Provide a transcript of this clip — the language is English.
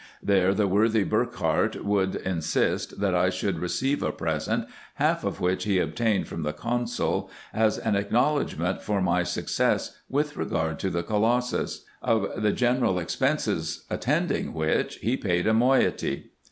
There the worthy Burckhardt would insist, that I should receive a present, half of which he obtained from the consul, as an acknowledgment for my success with regard to the colossus ; of the general expenses attending which he paid a moiety.